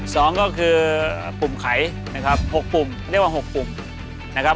สองก็คือปุ่มไขนะครับหกปุ่มเรียกว่าหกปุ่มนะครับ